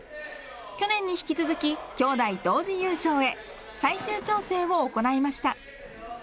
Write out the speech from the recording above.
去年に引き続ききょうだい同時優勝へ最終調整を行いました。